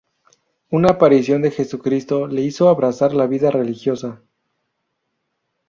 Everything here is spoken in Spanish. Una aparición de Jesucristo le hizo abrazar la vida religiosa.